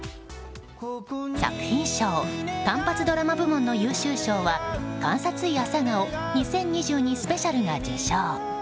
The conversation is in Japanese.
作品賞単発ドラマ部門の優秀賞は「監察医朝顔２０２２スペシャル」が受賞。